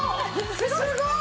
すごい！